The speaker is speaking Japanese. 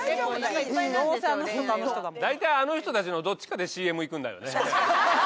大体あの人たちのどっちかでＣＭいくんだよね。